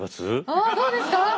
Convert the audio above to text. ああどうですか？